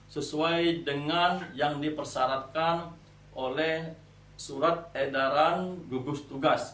sesuai dengan yang dipersyaratkan oleh surat edaran gugus tugas